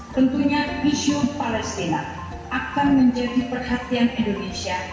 tentunya isu palestina akan menjadi perhatian indonesia